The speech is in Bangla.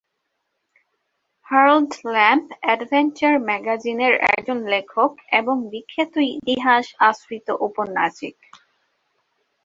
হ্যারল্ড ল্যাম্ব অ্যাডভেঞ্চার ম্যাগাজিনের একজন লেখক এবং বিখ্যাত ইতিহাস আশ্রিত ঔপন্যাসিক।